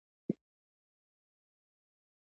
ښه، حالات دا دي اوس سم شول، ستاسي بریدمن مې وکوت.